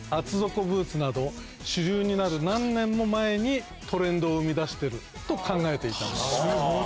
主流になる何年も前にトレンドを生み出してると考えていた。